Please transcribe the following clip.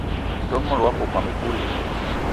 Ntol mot wakokóm ekut i?